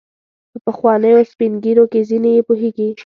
په پخوانیو سپین ږیرو کې ځینې یې پوهیږي.